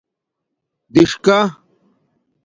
دِݽکہ